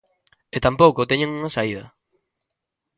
E tampouco teñen unha saída.